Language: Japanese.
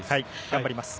頑張ります。